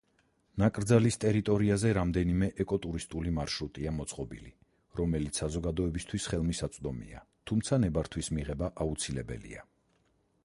ნაკრძალის ტერიტორიაზე რამდენიმე „ეკოტურისტული მარშრუტია“ მოწყობილი, რომელიც საზოგადოებისთვის ხელმისაწვდომია, თუმცა ნებართვის მიღება აუცილებელია.